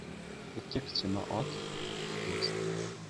• Ikki qichima ot ― do‘st.